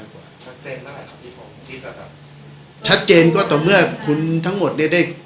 ชัดเจนเมื่ออะไรครับที่ผมคิดส่วนครับชัดเจนก็ต่อเมื่อคุณทั้งหมดเนี้ยได้